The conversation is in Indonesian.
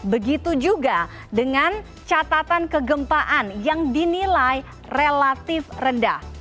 begitu juga dengan catatan kegempaan yang dinilai relatif rendah